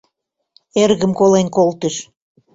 — Эргым колен колтыш...